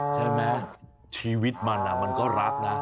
ใช่ไหมชีวิตมันมันก็รักนะ